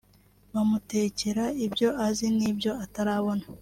bamutekera ibyo azi n'ibyo atarabona